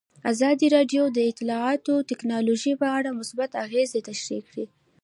ازادي راډیو د اطلاعاتی تکنالوژي په اړه مثبت اغېزې تشریح کړي.